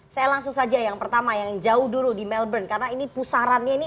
saya langsung saja yang pertama yang jauh dulu di melbourne karena ini pusarannya ini